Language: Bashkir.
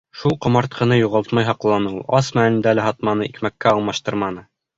Шул ҡомартҡыны юғалтмай һаҡланы ул. Ас мәлендә лә һатманы, икмәккә алыштырманы.